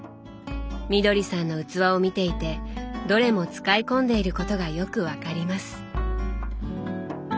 みどりさんの器を見ていてどれも使い込んでいることがよく分かります。